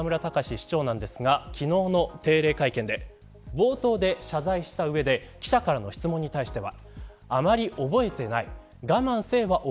市長なんですが昨日の定例会見で冒頭で謝罪した上で記者からの質問に対しては。